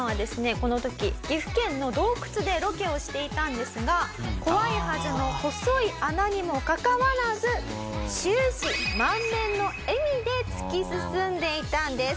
この時岐阜県の洞窟でロケをしていたんですが怖いはずの細い穴にもかかわらず終始満面の笑みで突き進んでいたんです。